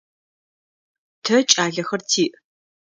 Тэ кӏалэхэр тиӏ.